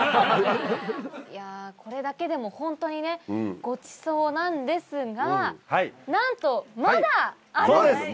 これだけでもホントにねごちそうなんですがなんとまだあるんです！